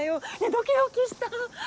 ドキドキした！